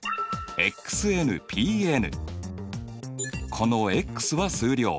このｘは数量。